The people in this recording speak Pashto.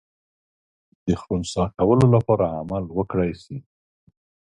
د خنثی کولو لپاره عمل وکړای سي.